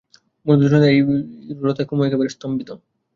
মধুসূদনের এই রূঢ়তায় কুমু একেবারে স্তম্ভিত।